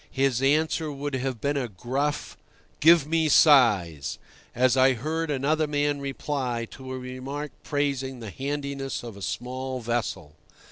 His answer would have been a gruff, "Give me size," as I heard another man reply to a remark praising the handiness of a small vessel.